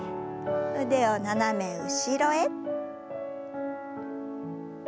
腕を斜め後ろへ。